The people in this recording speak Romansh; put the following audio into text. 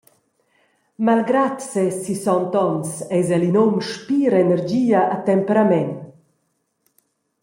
Malgrad ses sissont’onns eis el in um spir energia e temperament.